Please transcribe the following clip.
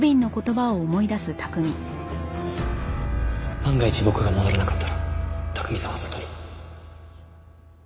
万が一僕が戻らなかったら拓海さんは外に。